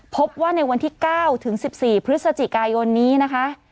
พบว่าในวันที่๙ถึง๑๔พฤศจิกายนนี้นะคะ